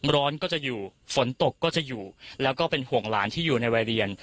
ร้อนก็จะอยู่ฝนตกก็จะอยู่แล้วก็เป็นห่วงหลานที่อยู่ในวัยเรียน